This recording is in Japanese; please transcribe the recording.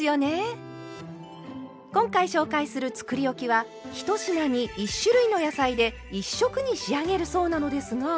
今回紹介するつくりおきは１品に１種類の野菜で１色に仕上げるそうなのですが。